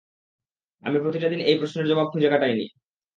আমি প্রতিটা দিন এই প্রশ্নের জবাব খুঁজে কাটাইনি?